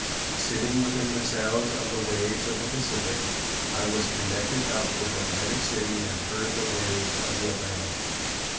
Sitting within the sound of the waves of the Pacific, I was connected up with Atlantic City and heard the waves of the Atlantic.